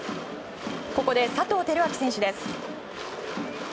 ここで佐藤輝明選手です。